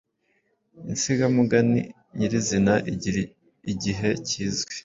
Insigamugani nyirizina igira igihe kizwi